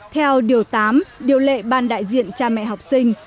theo điều tám điều lệ ban đại diện cha mẹ học sinh